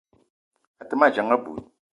A te ma dzeng abui.